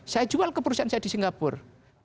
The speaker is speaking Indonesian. saya jual ke perusahaan saya di singapura